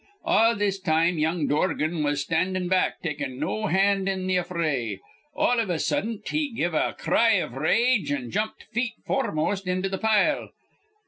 All this time young Dorgan was standin' back, takin' no hand in th' affray. All iv a suddent he give a cry iv rage, an' jumped feet foremost into th' pile.